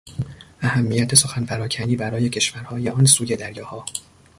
اهمیت سخن پراکنی برای کشورهای آنسوی دریاها